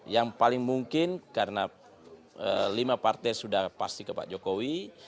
yang paling mungkin karena lima partai sudah pasti ke pak jokowi